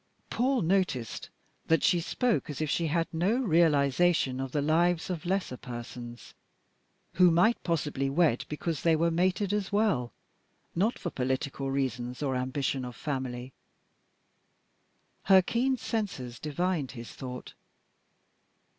Paul noticed that she spoke as if she had no realisation of the lives of lesser persons who might possibly wed because they were "mated" as well not for political reasons or ambition of family. Her keen senses divined his thought.